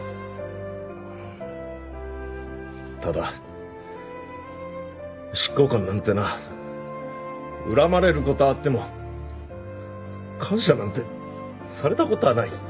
ただ執行官なんてな恨まれる事はあっても感謝なんてされた事はない。